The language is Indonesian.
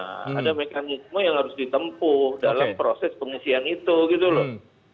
ada mekanisme yang harus ditempuh dalam proses pengisian itu gitu loh